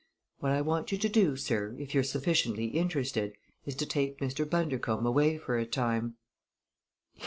What I want you to do, sir, if you're sufficiently interested, is to take Mr. Bundercombe away for a time."